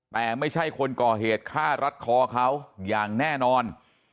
แต่ไม่ใช่คนก่อเหตุฆ่ารัดคอเขาอย่างแน่นอน